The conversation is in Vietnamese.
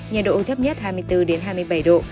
nhiệt độ thấp nhất hai mươi bốn hai mươi bảy độ